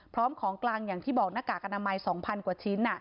พร้อมของกลางอย่างที่บอกหน้ากากอนามัย๒๐๐กว่าชิ้น